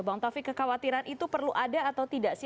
bang taufik kekhawatiran itu perlu ada atau tidak sih